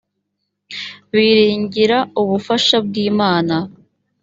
biringira ubufasha bw imana